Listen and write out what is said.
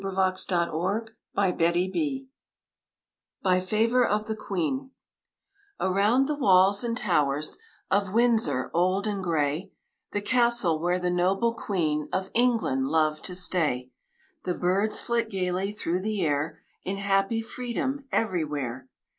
"BY FAVOR OF THE QUEEN" Around the walls and towers Of Windsor, old and gray, The castle where the noble Queen Of England loved to stay, The birds flit gayly through the air In happy freedom everywhere.